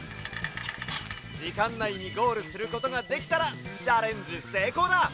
じかんないにゴールすることができたらチャレンジせいこうだ！